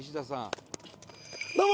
「どうも！